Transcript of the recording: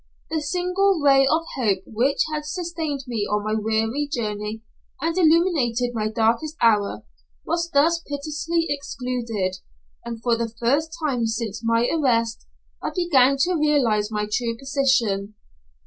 The single ray of hope which had sustained me on my weary journey, and illumined my darkest hour, was thus pitilessly excluded, and for the first time since my arrest I began to realise my true position.